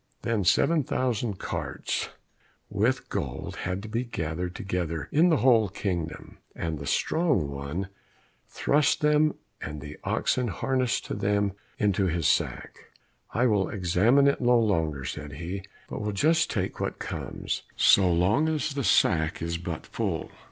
Then seven thousand carts with gold had to be gathered together in the whole kingdom, and the strong one thrust them and the oxen harnessed to them into his sack. "I will examine it no longer," said he, "but will just take what comes, so long as the sack is but full."